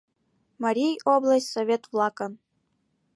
МАРИЙ ОБЛАСТЬ СОВЕТ-ВЛАКЫН